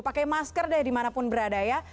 pakai masker deh dimanapun berada ya